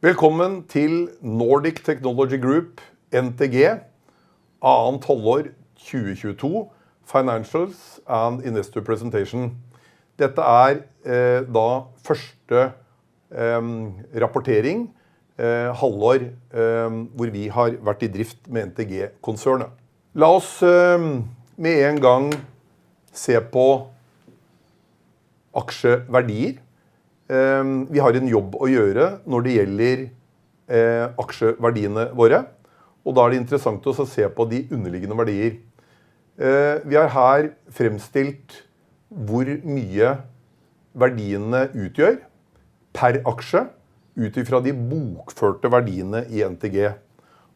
Velkommen til Nordic Technology Group NTG. Annet halvår 2022 Financials and Investor Presentation. Dette er da første rapportering halvår hvor vi har vært i drift med NTG konsernet. La oss med en gang se på aksjeverdier. Vi har en jobb å gjøre når det gjelder aksjeverdiene våre, og da er det interessant å se på de underliggende verdier. Vi har her fremstilt hvor mye verdiene utgjør per aksje ut ifra de bokførte verdiene i NTG.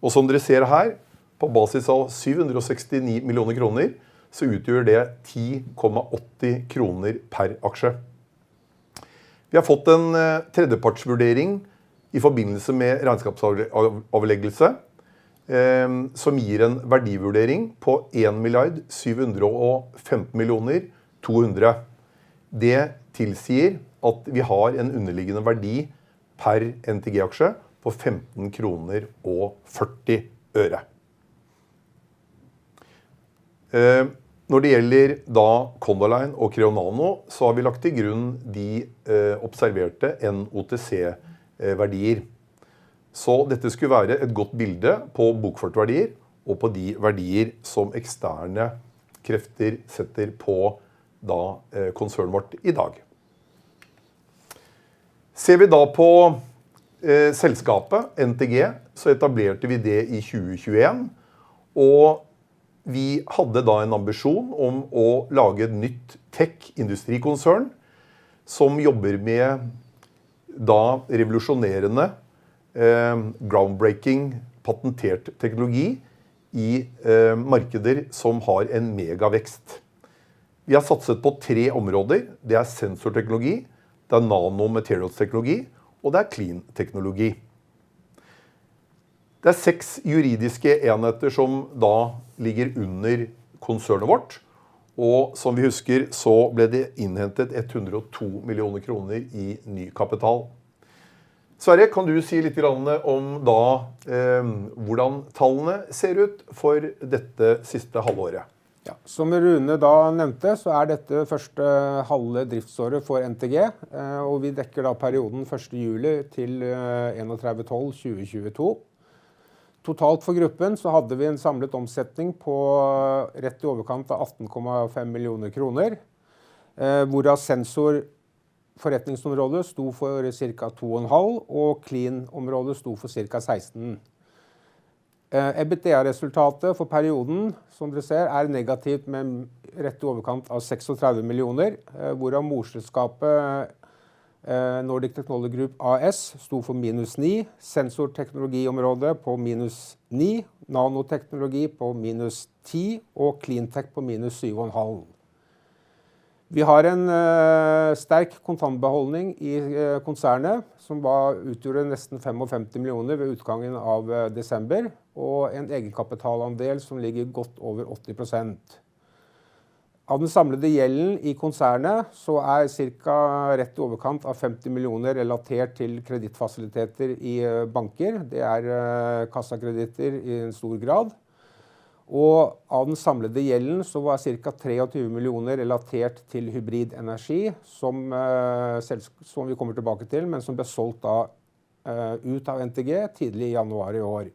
Og som dere ser her på basis av 769 millioner kroner, så utgjør det 10.80 kroner per aksje. Vi har fått en tredjepartsvurdering i forbindelse med regnskapsavleggelse som gir en verdivurdering på 1,715,000,200. Det tilsier at vi har en underliggende verdi per NTG aksje på NOK 15.40. Når det gjelder da CondAlign og CrayoNano så har vi lagt til grunn de observerte OTC verdier, så dette skulle være et godt bilde på bokførte verdier og på de verdier som eksterne krefter setter på da konsernet vårt i dag. Ser vi da på selskapet NTG så etablerte vi det i 2021, og vi hadde da en ambisjon om å lage et nytt tech industrikonsern som jobber med da revolusjonerende groundbreaking patentert teknologi i markeder som har en mega vekst. Vi har satset på tre områder. Det er sensorteknologi, det er nanometer-teknologi og det er clean teknologi. Det er 6 juridiske enheter som da ligger under konsernet vårt, og som vi husker så ble det innhentet 102 million kroner i ny kapital. Sverre, kan du si littegranne om da hvordan tallene ser ut for dette siste halvåret? Som Rune da nevnte er dette første halve driftsåret for NTG, og vi dekker da perioden July 1 to December 31, 2022. Totalt for gruppen hadde vi en samlet omsetning på rett i overkant av NOK 18.5 million, hvorav Sensor forretningsområdet sto for cirka 2.5 million og Clean området sto for cirka 16 million. EBITDA resultatet for perioden som dere ser er negativt med rett i overkant of 36 million, hvorav morselskapet Nordic Technology Group AS sto for -9 million, Sensor forretningsområdet på -9 million, Nanotechnology på -10 million og Cleantech på -7.5 million. Vi har en sterk kontantbeholdning i konsernet, som da utgjorde nesten 55 million ved utgangen av desember, og en egenkapitalandel som ligger godt over 80%. Av den samlede gjelden i konsernet så er cirka rett i overkant av 50 million relatert til kredittfasiliteter i banker. Det er kassakreditter i stor grad, og av den samlede gjelden så var cirka 23 million relatert til Hybrid Energy som vi kommer tilbake til, men som ble solgt da ut av NTG tidlig i januar i år.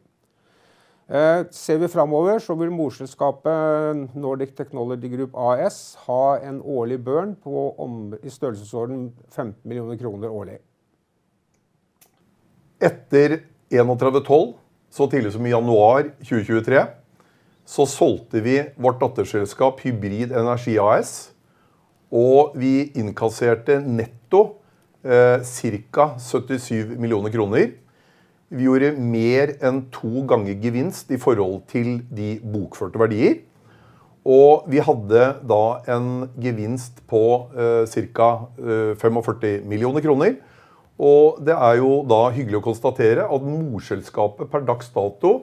Ser vi fremover så vil morselskapet Nordic Technology Group AS ha en årlig burn på i størrelsesorden 15 million kroner årlig. Etter 31/12, så tidlig som i January 2023, solgte vi vårt datterselskap Hybrid Energy AS, og vi innkasserte netto cirka 77 million kroner. Vi gjorde mer enn 2 times gevinst i forhold til de bokførte verdier, og vi hadde da en gevinst på cirka 45 million kroner. Det er jo da hyggelig å konstatere at morselskapet per dags dato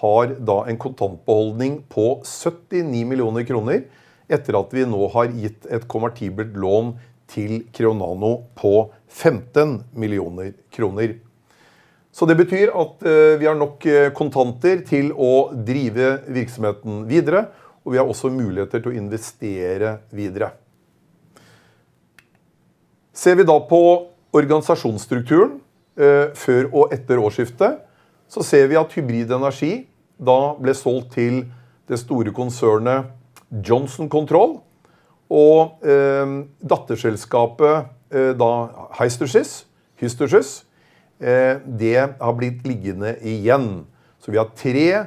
har da en kontantbeholdning på 79 million kroner. Etter at vi nå har gitt et konvertibelt lån til Creonano på 15 million kroner. Det betyr at vi har nok kontanter til å drive virksomheten videre, og vi har også muligheter til å investere videre. Ser vi da på organisasjonsstrukturen før og etter årsskiftet, så ser vi at Hybrid Energy da ble solgt til det store konsernet Johnson Controls og datterselskapet da Hystorsys. Det har blitt liggende igjen, så vi har 3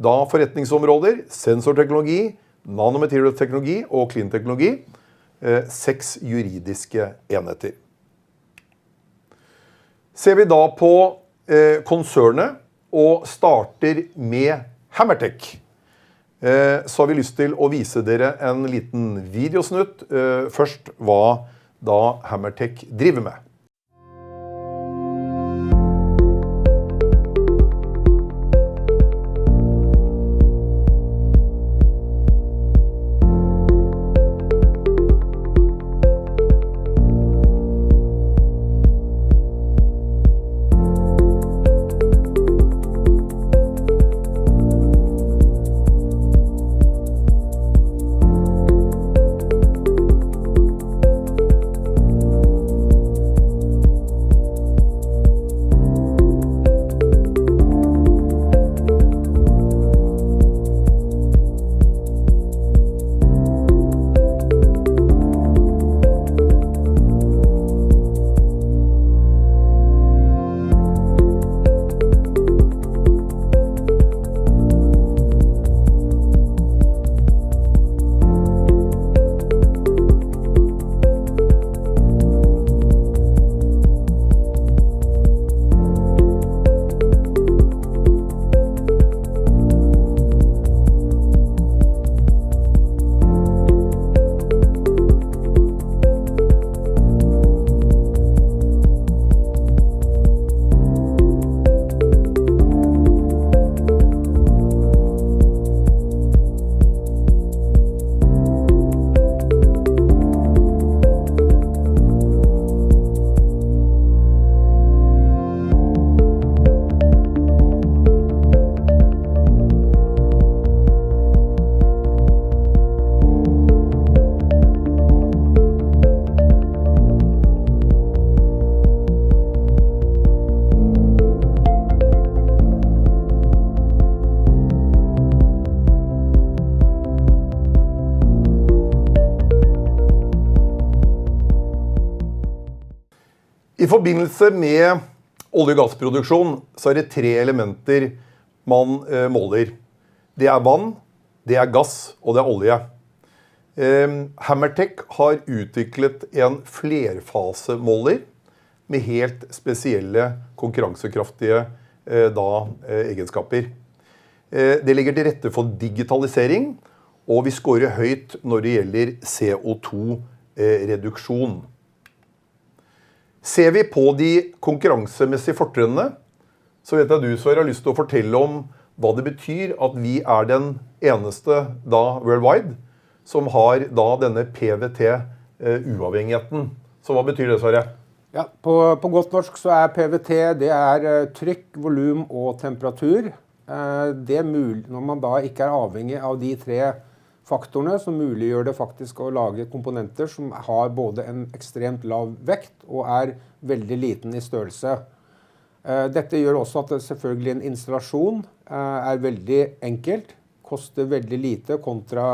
da forretningsområder sensorteknologi, nanometer-teknologi og clean technology. 6 juridiske enheter. Ser vi da på konsernet og starter med Hammertech, så har vi lyst til å vise dere en liten videosnutt først hva da Hammertech driver med. I forbindelse med olje og gassproduksjon så er det 3 elementer man måler. Det er vann, det er gass og det er olje. Hammertech har utviklet en flerfase måler med helt spesielle konkurransekraftige da egenskaper. Det legger til rette for digitalisering, og vi skårer høyt når det gjelder CO2 reduction. Ser vi på de konkurransemessige fortrinnene, så vet jeg du Sverre har lyst til å fortelle om hva det betyr at vi er den eneste da worldwide som har da denne PVT uavhengigheten. Hva betyr det Sverre? På godt norsk så er PVT, det er trykk, volum og temperatur. Når man da ikke er avhengig av de 3 faktorene som muliggjør det faktisk å lage komponenter som har både en ekstremt lav vekt og er veldig liten i størrelse. Dette gjør også at selvfølgelig en installasjon er veldig enkelt, koster veldig lite kontra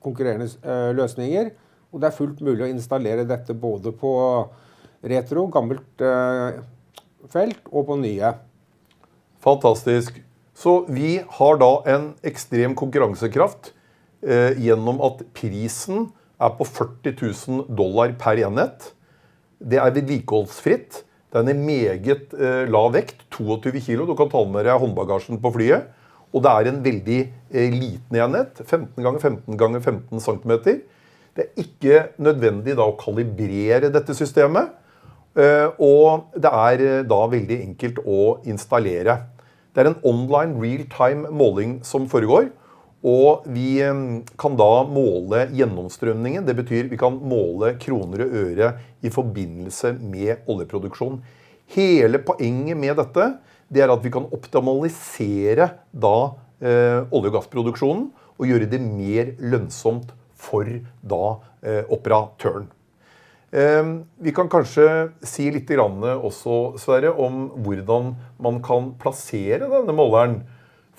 konkurrerende løsninger, og det er fullt mulig å installere dette både på retro gammelt felt og på nye. Fantastisk. Vi har da en ekstrem konkurransekraft gjennom at prisen er på $40,000 per enhet. Det er vedlikeholdsfritt. Det er en meget lav vekt, 22 kilo, du kan ta med deg i håndbagasjen på flyet. Det er en veldig liten enhet. 15 ganger 15 ganger 15 centimeter. Det er ikke nødvendig da å kalibrere dette systemet. Det er da veldig enkelt å installere. Det er en online real-time måling som foregår. Vi kan da måle gjennomstrømningen. Det betyr vi kan måle kroner og øre i forbindelse med oljeproduksjon. Hele poenget med dette, det er at vi kan optimalisere da olje og gassproduksjonen. Gjøre det mer lønnsomt for da operatøren. Vi kan kanskje si litte granne også Sverre, om hvordan man kan plassere denne måleren.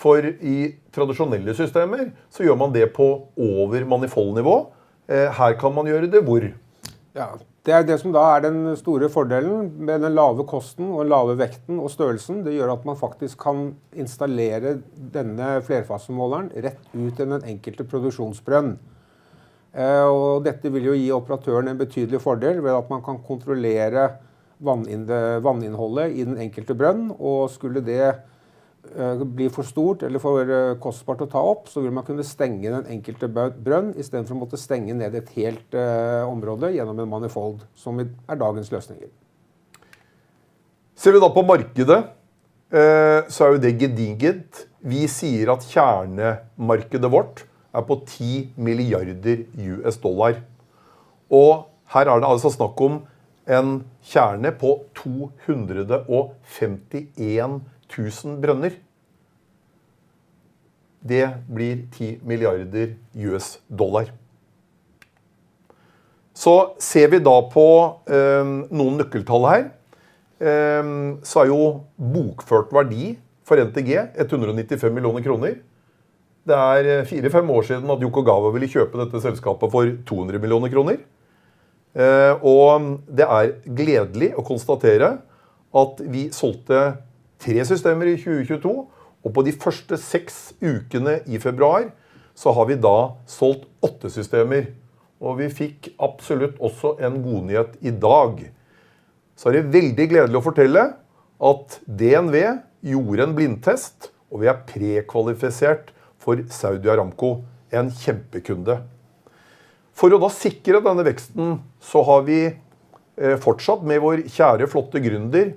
I tradisjonelle systemer så gjør man det på over manifold nivå. Her kan man gjøre det hvor? Det er det som da er den store fordelen med den lave kosten og lave vekten og størrelsen. Det gjør at man faktisk kan installere denne flerfase måleren rett ut i den enkelte produksjonsbrønn. Dette vil jo gi operatøren en betydelig fordel ved at man kan kontrollere vann inn, vanninnholdet i den enkelte brønn. Skulle det bli for stort eller for kostbart å ta opp, så vil man kunne stenge den enkelte brønn istedenfor å måtte stenge ned et helt område gjennom en manifold, som er dagens løsninger. Ser vi da på markedet, så er jo det gedigent. Vi sier at kjernemarkedet vårt er på $10 billion, og her er det altså snakk om en kjerne på 251,000 brønner. Det blir $10 billion. Ser vi da på noen nøkkeltall her, så er jo bokført verdi for NTG NOK 195 million. Det er 4-5 years siden at Yokogawa ville kjøpe dette selskapet for NOK 200 million. Det er gledelig å konstatere at vi solgte 3 systems i 2022, og på de første 6 ukene i februar så har vi da solgt 8 systems, og vi fikk absolutt også en godnyhet i dag. Det er veldig gledelig å fortelle at DNV gjorde en blindtest, og vi er prekvalifisert for Saudi Aramco, en kjempekunde. For å da sikre denne veksten, har vi fortsatt med vår kjære flotte gründer,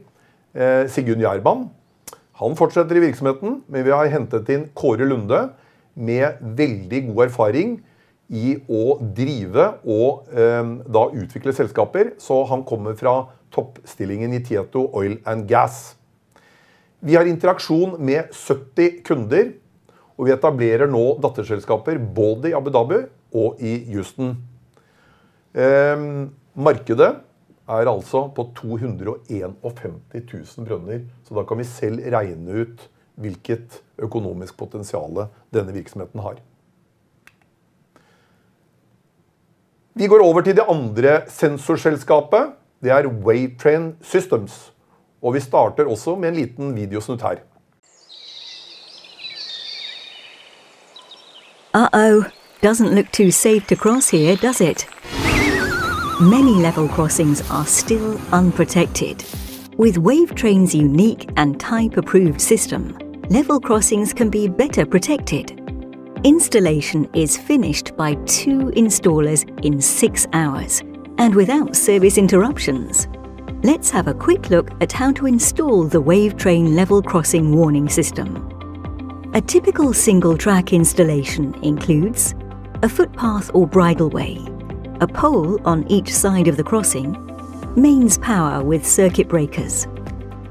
Sigmund Hjermann. Han fortsetter i virksomheten, men vi har hentet inn Kåre Lunde med veldig god erfaring i å drive og da utvikle selskaper. Han kommer fra toppstillingen i Tieto Oil and Gas. Vi har interaksjon med 70 kunder, vi etablerer nå datterselskaper både i Abu Dhabi og i Houston. Markedet er altså på 251,000 brønner, da kan vi selv regne ut hvilket økonomisk potensiale denne virksomheten har. Vi går over til det andre sensorselskapet. Det er Wavetrain Systems, og vi starter også med en liten videosnutt her. Uh-oh. Doesn't look too safe to cross here, does it? Many level crossings are still unprotected. With Wavetrain's unique and type approved system. Level crossings can be better protected. Installation is finished by 2 installers in 6 hours and without service interruptions. Let's have a quick look at how to install the Wavetrain Level Crossing Warning System. A typical single track installation includes a footpath or bridal way, a pole on each side of the crossing, mains power with circuit breakers.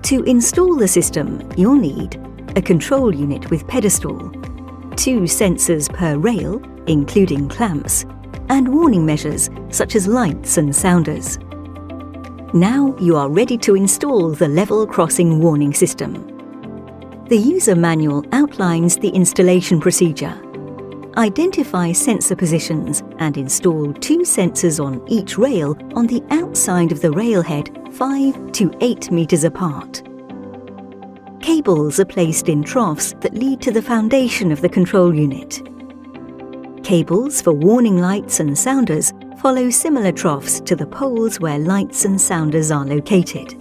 To install the system you'll need a control unit with pedestal. 2 sensors per rail, including clamps and warning measures such as lights and sounders. Now you are ready to install the Level Crossing Warning System. The user manual outlines the installation procedure, identify sensor positions and install 2 sensors on each rail on the outside of the rail head 5-8 meters apart. Cables are placed in troughs that lead to the foundation of the control unit. Cables for warning lights and sounders follow similar troughs to the poles where lights and sounders are located.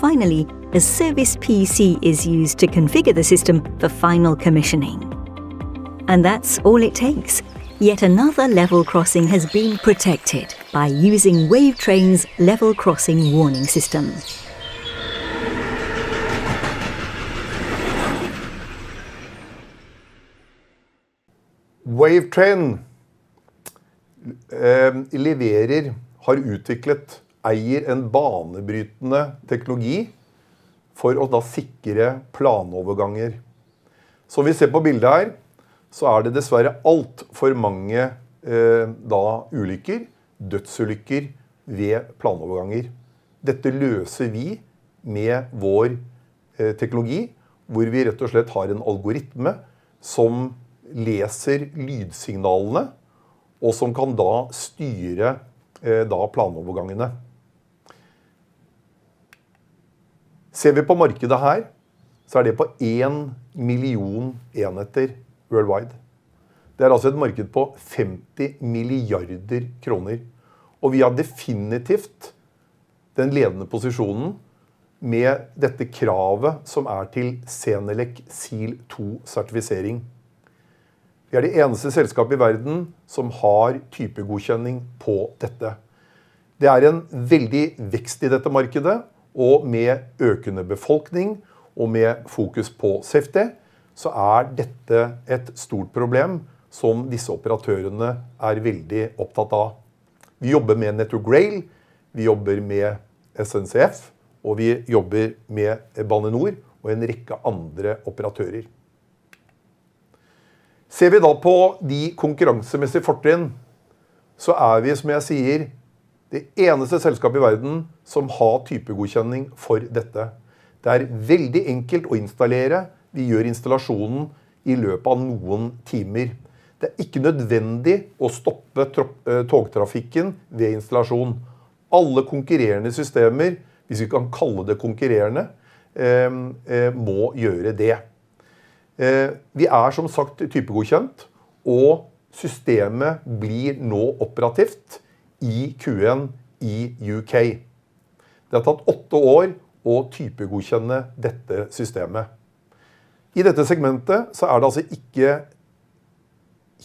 Finally, a service PC is used to configure the system for final commissioning. That's all it takes. Yet another level crossing has been protected by using Wavetrain's Level Crossing Warning System. Wavetrain leverer har utviklet eier en banebrytende teknologi for å da sikre planoverganger. Som vi ser på bildet her, så er det dessverre alt for mange, da ulykker, dødsulykker ved planoverganger. Dette løser vi med vår teknologi, hvor vi rett og slett har en algoritme som leser lydsignalene og som kan da styre da planovergangene. Ser vi på markedet her så er det på 1 million enheter worldwide. Det er altså et marked på 50 billion kroner, og vi har definitivt den ledende posisjonen med dette kravet som er til CENELEC SIL-2 sertifisering. Vi er det eneste selskapet i verden som har typegodkjenning på dette. Det er en veldig vekst i dette markedet, og med økende befolkning og med fokus på safety så er dette et stort problem som disse operatørene er veldig opptatt av. Vi jobber med Network Rail, vi jobber med SNCF og vi jobber med Bane NOR og en rekke andre operatører. Ser vi da på de konkurransemessige fortrinn, så er vi, som jeg sier, det eneste selskap i verden som har typegodkjenning for dette. Det er veldig enkelt å installere. Vi gjør installasjonen i løpet av noen timer. Det er ikke nødvendig å stoppe togtrafikken ved installasjon. Alle konkurrerende systemer, hvis vi kan kalle det konkurrerende, må gjøre det. Vi er som sagt typegodkjent og systemet blir nå operativt i Q1 i UK. Det har tatt 8 år å typegodkjenne dette systemet. I dette segmentet så er det altså ikke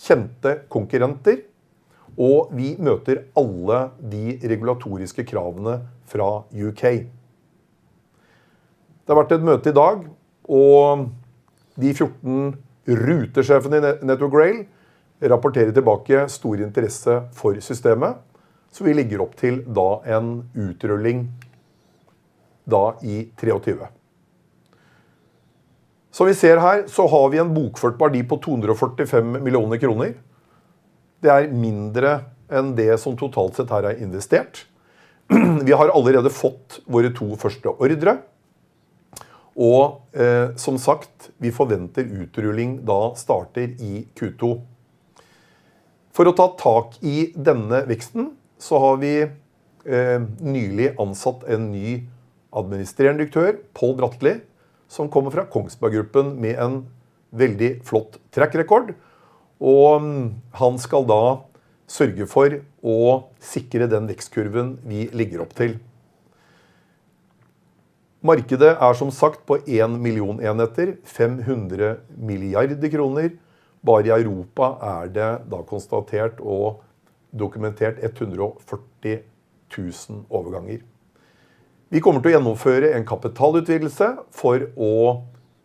kjente konkurrenter, og vi møter alle de regulatoriske kravene fra UK. Det har vært et møte i dag, og de 14 rutesjefene i Network Rail rapporterer tilbake stor interesse for systemet, så vi legger opp til da en utrulling da i 2023. Som vi ser her så har vi en bokført verdi på 245 million kroner. Det er mindre enn det som totalt sett her er investert. Vi har allerede fått våre two første ordrer, og som sagt vi forventer utrulling da starter i Q2. For å ta tak i denne veksten så har vi nylig ansatt en ny Administrerende Direktør, Pål Dratli, som kommer fra Kongsberg Gruppen med en veldig flott track record. Han skal da sørge for å sikre den vekstkurven vi legger opp til. Markedet er som sagt på 1 million enheter, 500 billion kroner. Bare i Europa er det da konstatert Dokumentert 140,000 overganger. Vi kommer til å gjennomføre en kapitalutvidelse for å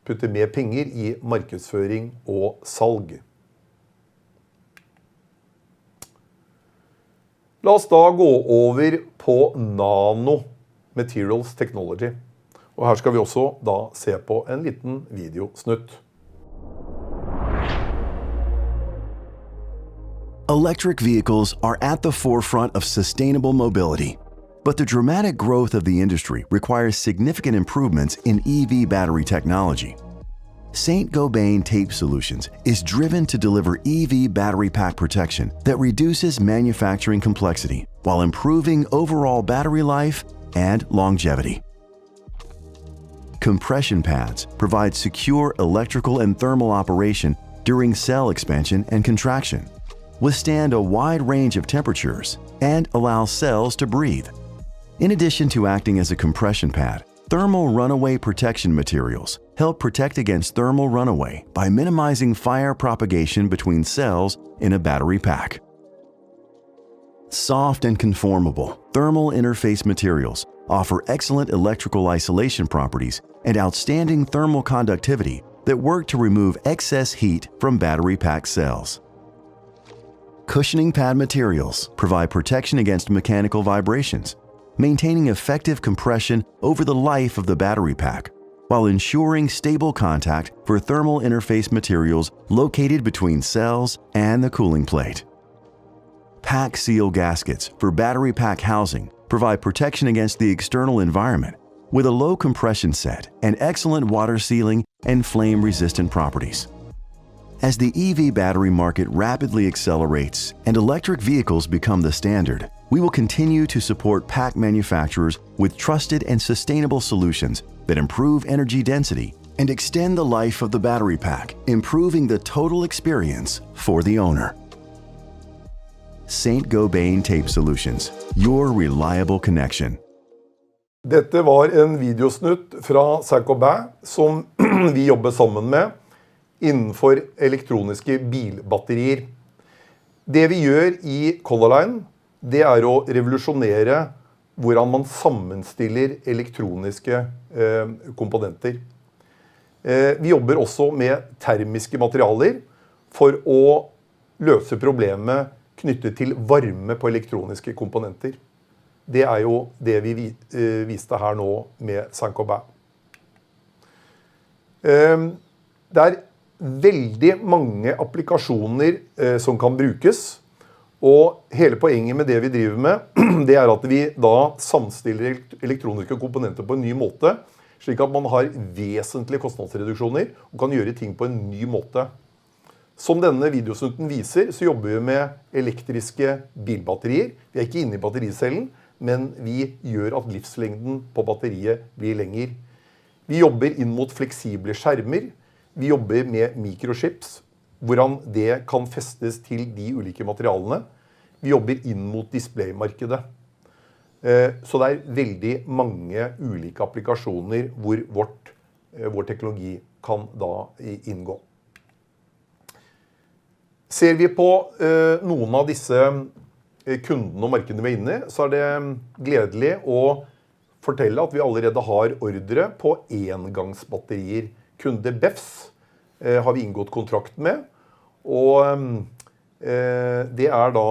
putte mer penger i markedsføring og salg. La oss da gå over på Nano Materials Technology, og her skal vi også da se på en liten videosnutt. Electric vehicles are at the forefront of sustainable mobility. The dramatic growth of the industry requires significant improvements in EV battery technology. Saint-Gobain Tape Solutions is driven to deliver EV battery pack protection that reduces manufacturing complexity while improving overall battery life and longevity. Compression pads provide secure electrical and thermal operation during cell expansion and contraction, withstand a wide range of temperatures, and allow cells to breathe. In addition to acting as a compression pad, thermal runaway protection materials help protect against thermal runaway by minimizing fire propagation between cells in a battery pack. Soft and conformable thermal interface materials offer excellent electrical isolation properties and outstanding thermal conductivity that work to remove excess heat from battery pack cells. Cushioning pad materials provide protection against mechanical vibrations, maintaining effective compression over the life of the battery pack while ensuring stable contact for thermal interface materials located between cells and the cooling plate. Pack seal gaskets for battery pack housing provide protection against the external environment with a low compression set and excellent water sealing and flame resistant properties. As the EV battery market rapidly accelerates and electric vehicles become the standard, we will continue to support pack manufacturers with trusted and sustainable solutions that improve energy density and extend the life of the battery pack, improving the total experience for the owner. Saint-Gobain Tape Solutions. Your reliable connection. Dette var en videosnutt fra Saint-Gobain som vi jobber sammen med innenfor elektroniske bilbatterier. Det vi gjør i Colorline, det er å revolusjonere hvordan man sammenstiller elektroniske komponenter. Vi jobber også med termiske materialer for å løse problemet knyttet til varme på elektroniske komponenter. Det er jo det vi viste her nå med Saint-Gobain. Det er veldig mange applikasjoner som kan brukes, og hele poenget med det vi driver med det er at vi da sammenstiller elektroniske komponenter på en ny måte, slik at man har vesentlige kostnadsreduksjoner og kan gjøre ting på en ny måte. Som denne videosnutten viser så jobber vi med elektriske bilbatterier. Vi er ikke inne i battericellen, men vi gjør at livslengden på batteriet blir lenger. Vi jobber inn mot fleksible skjermer. Vi jobber med microchips, hvordan det kan festes til de ulike materialene. Vi jobber inn mot displaymarkedet, så det er veldig mange ulike applikasjoner hvor vårt, vår teknologi kan da, inngå. Ser vi på noen av disse kundene og markedene vi er inne i, så er det gledelig å fortelle at vi allerede har ordrer på engangsbatterier. Kunde Beffs, har vi inngått kontrakt med, og det er da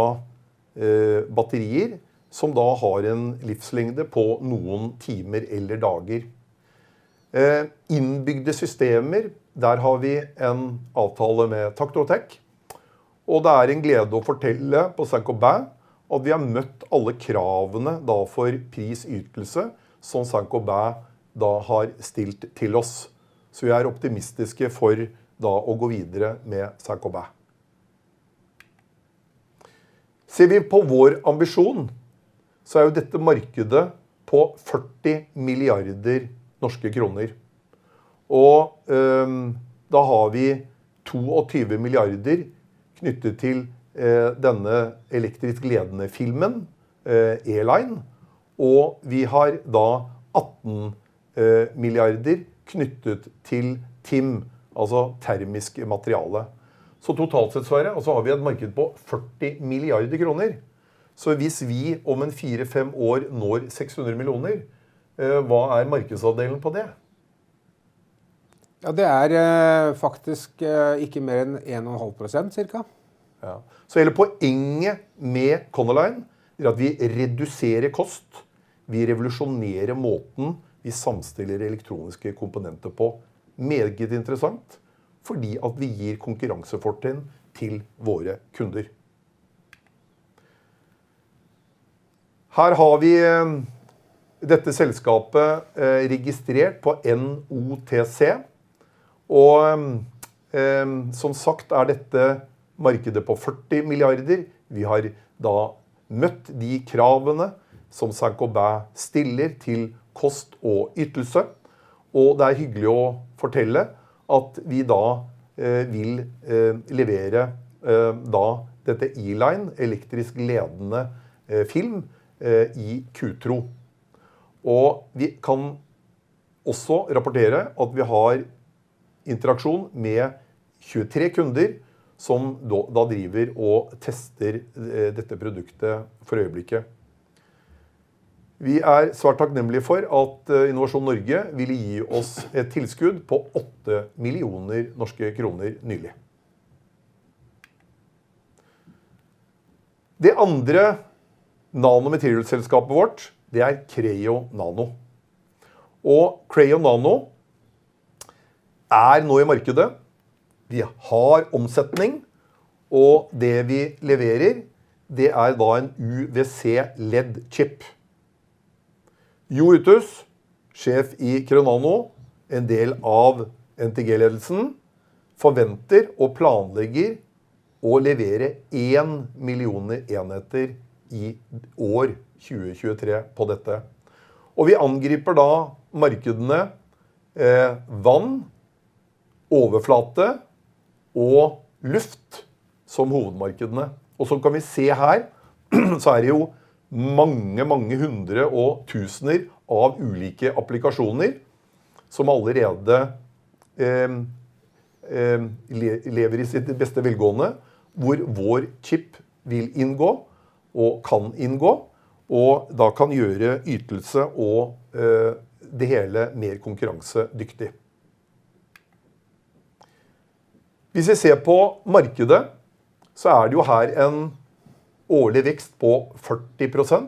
batterier som da har en livslengde på noen timer eller dager. Innbyggede systemer, der har vi en avtale med TactoTek, og det er en glede å fortelle på Saint-Gobain at vi har møtt alle kravene da for pris ytelse som Saint-Gobain da har stilt til oss. Vi er optimistiske for da å gå videre med Saint-Gobain. Ser vi på vår ambisjon, er jo dette markedet på 40 billion NOK. Da har vi 22 billion NOK knyttet til denne elektrisk ledende filmen, E-Align. Vi har da 18 billion NOK knyttet til TIM, altså termisk materiale. Totalt sett er det, har vi et marked på 40 billion kroner. Hvis vi om en 4-5 år når 600 million NOK, hva er markedsandelen på det? det er faktisk ikke mer enn 1.5% cirka. Hele poenget med CondAlign er at vi reduserer cost. Vi revolusjonerer måten vi sammenstiller elektroniske komponenter på. Meget interessant fordi at vi gir konkurransefortrinn til våre kunder. Her har vi dette selskapet, registrert på NOTC. Som sagt er dette markedet på 40 milliarder. Vi har da møtt de kravene som Saint-Gobain stiller til cost og ytelse, og det er hyggelig å fortelle at vi da vil levere da dette E-Align elektrisk ledende film i Q2. Vi kan også rapportere at vi har interaksjon med 23 kunder som da driver og tester dette produktet for øyeblikket. Vi er svært takknemlig for at Innovasjon Norge ville gi oss et tilskudd på NOK 8 million nylig. Det andre Nanomaterials selskapet vårt, det er CrayoNano. CrayoNano er nå i markedet. Vi har omsetning og det vi leverer, det er da en UVC LED chip. Joitus, CEO at Creo Nano. A part of NTG management expects and plans to deliver 1 million units this year, 2023, on this, and we are then attacking the markets, water, surface, and air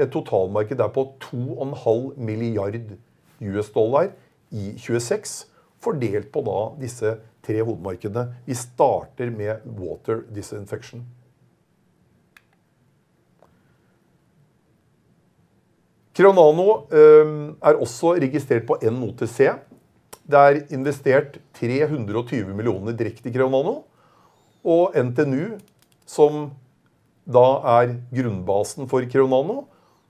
as the main markets. As we can see here, there are many hundreds of thousands of different applications that are already living in their prime. Where our chip will be included and can be included, and then can make performance and the whole thing more competitive. If we look at the market, there is an annual growth of 40%, and we have a total market there of $2.5 billion in 2026, distributed among these three main markets. We start with Water Disinfection. Creo Nano is also registered on NOTC. Det er investert 320 million direkte i CrayoNano og NTNU, som da er grunnbasen for CrayoNano,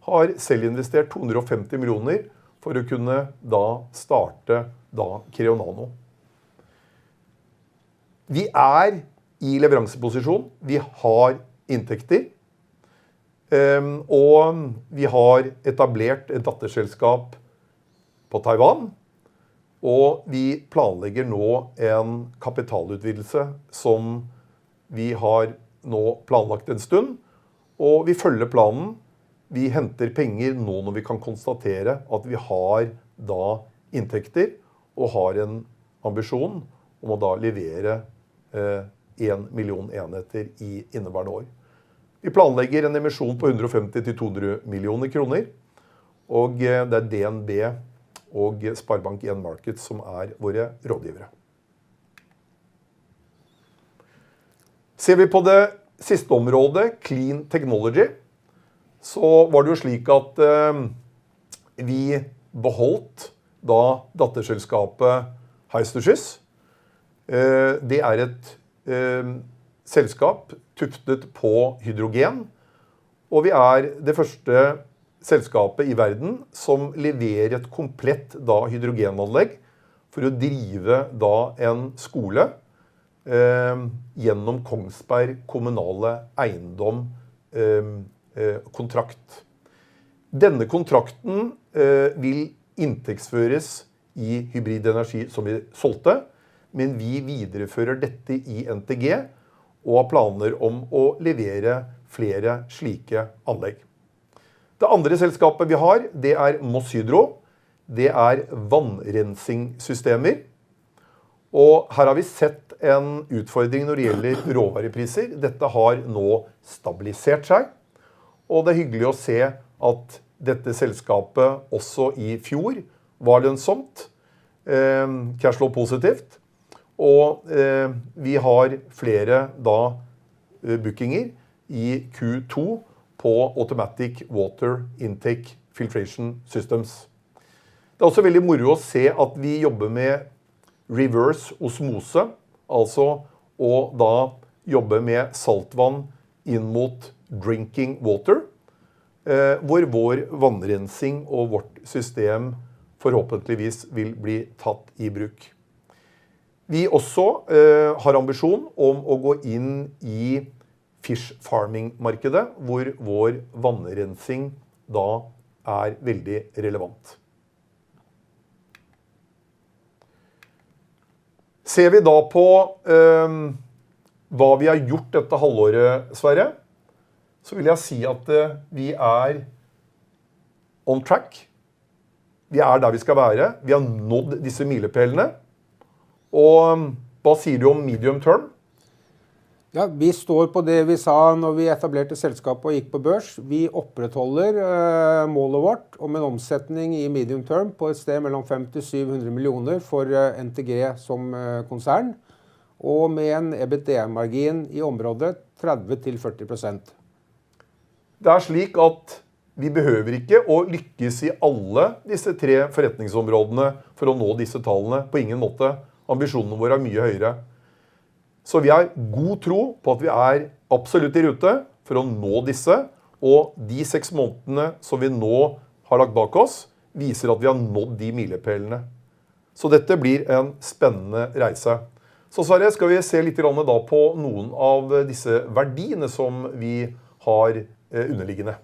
har selv investert 250 million for å kunne da starte da CrayoNano. Vi er i leveranseposisjon, vi har inntekter. Vi har etablert et datterselskap på Taiwan. Vi planlegger nå en kapitalutvidelse som vi har nå planlagt en stund. Vi følger planen. Vi henter penger nå når vi kan konstatere at vi har da inntekter og har en ambisjon om å levere 1 million enheter i inneværende år. Vi planlegger en emisjon på 150 million-200 million kroner. Det er DNB og SpareBank 1 Markets som er våre rådgivere. Ser vi på det siste området Clean Technology, var det jo slik at vi beholdt da datterselskapet Hystorsys. Det er et selskap tuftet på hydrogen, og vi er det første selskapet i verden som leverer et komplett da hydrogenanlegg for å drive da en skole gjennom Kongsberg kommunale eiendom kontrakt. Denne kontrakten vil inntektsføres i Hybrid Energy som vi solgte. Vi viderefører dette i NTG og har planer om å levere flere slike anlegg. Det andre selskapet vi har det er Moss Hydro. Det er vannrensingssystemer. Her har vi sett en utfordring når det gjelder råvarepriser. Dette har nå stabilisert seg. Det er hyggelig å se at dette selskapet også i fjor var lønnsomt. Cash flow positive. Vi har flere da bookinger i Q2 på Automatic Water Intake Filtration Systems. Det er også veldig moro å se at vi jobber med reverse osmosis, altså og da jobber med saltvann inn mot drinking water, hvor vår vannrensing og vårt system forhåpentligvis vil bli tatt i bruk. Vi også har ambisjon om å gå inn i fish farming markedet hvor vår vannrensing da er veldig relevant. Ser vi da på hva vi har gjort dette halvåret, Sverre, så vil jeg si at vi er on track. Vi er der vi skal være. Vi har nådd disse milepælene. Hva sier du om Medium Term? Vi står på det vi sa da vi etablerte selskapet og gikk på børs. Vi opprettholder målet vårt om en omsetning i Medium Term på et sted mellom 500 million-700 million for NTG som konsern, og med en EBITDA-margin i området 30%-40%. Det er slik at vi behøver ikke å lykkes i alle disse 3 forretningsområdene for å nå disse tallene. På ingen måte. Ambisjonene våre er mye høyere, så vi har god tro på at vi er absolutt i rute for å nå disse og de 6 månedene som vi nå har lagt bak oss viser at vi har nådd de milepælene. Dette blir en spennende reise. Sverre skal vi se littegran da på noen av disse verdiene som vi har underliggende.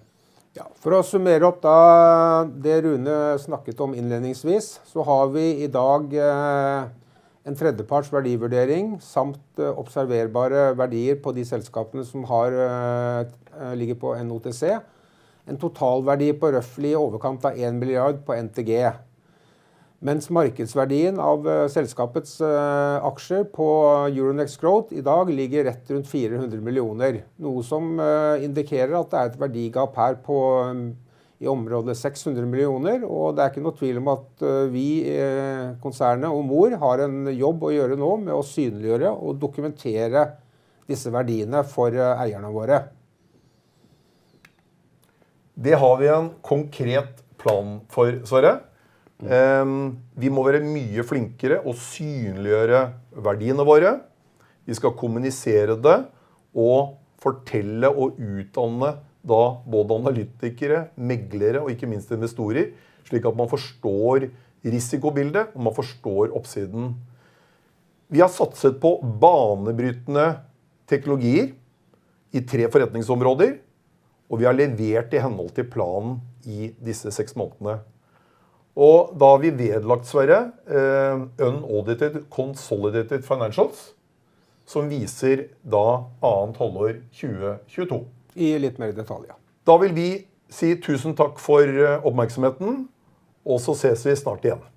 For å summere opp da det Rune snakket om innledningsvis, så har vi i dag en tredjeparts verdivurdering samt observerbare verdier på de selskapene som har ligger på NOTC. En totalverdi på roughly i overkant av 1 billion på NTG. Mens markedsverdien av selskapets aksjer på Euronext Growth i dag ligger rett rundt 400 million, noe som indikerer at det er et verdigap her på i området 600 million. Det er ikke noe tvil om at vi i konsernet og mor har en jobb å gjøre nå med å synliggjøre og dokumentere disse verdiene for eierne våre. Det har vi en konkret plan for Sverre. Vi må være mye flinkere og synliggjøre verdiene våre. Vi skal kommunisere det og fortelle og utdanne da både analytikere, meglere og ikke minst investorer, slik at man forstår risikobildet og man forstår oppsiden. Vi har satset på banebrytende teknologier i tre forretningsområder, og vi har levert i henhold til planen i disse seks månedene. Da har vi vedlagt Sverre, unaudited consolidated financials som viser da annet halvår 2022. I litt mer detalj, ja. Da vil vi si tusen takk for oppmerksomheten og så sees vi snart igjen.